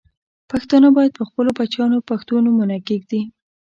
پښتانه باید پر خپلو بچیانو پښتو نومونه کښېږدي.